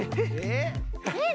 えっ？